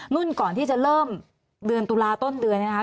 นุ่นก่อนที่จะเริ่มเดือนตุลาต้นเดือนนะคะ